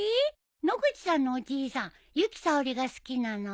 野口さんのおじいさん由紀さおりが好きなの？